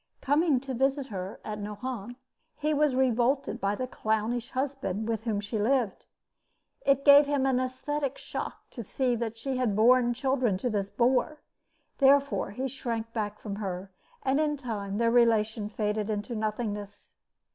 Coming to visit her at Nohant, he was revolted by the clownish husband with whom she lived. It gave him an esthetic shock to see that she had borne children to this boor. Therefore he shrank back from her, and in time their relation faded into nothingness.